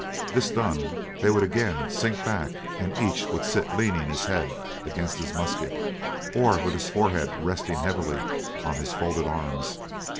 This done, they would again sink back and each would sit leaning his head against his musket, or with his forehead resting heavily on his folded arms.